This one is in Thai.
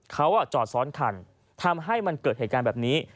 เขาจอดซ้อนคันทำให้มันเกิดเหตุการณ์แบบนี้